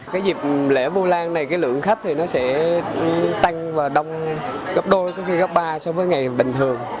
cái dịp lễ vu lan này cái lượng khách thì nó sẽ tăng và đông gấp đôi khi gấp ba so với ngày bình thường